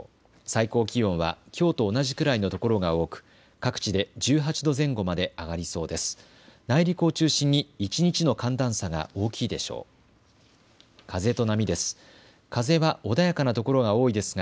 最高気温はきょうと同じくらいの所が多く各地で１８度前後まで上がりそうです。